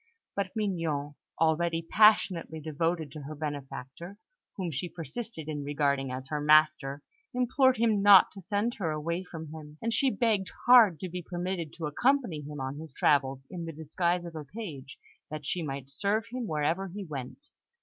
But Mignon, already passionately devoted to her benefactor, whom she persisted in regarding as her master, implored him not to send her away from him; and she begged hard to be permitted to accompany him on his travels in the disguise of a page, that she might serve him wherever he went.